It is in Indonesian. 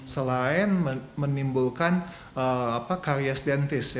selain menimbulkan karyas diantis